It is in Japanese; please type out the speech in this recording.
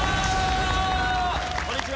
こんにちは。